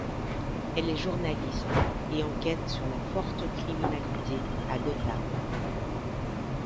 Elle est journaliste et enquête sur la forte criminalité à Gotham.